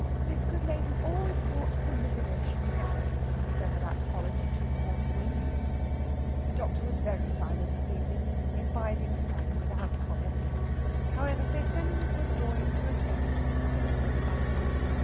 This good lady always caught Commiseration napping, if ever that quality took forty winks. The doctor was very silent this evening, imbibing Sally without comment. However, St. Sennans was drawing to a close for all others.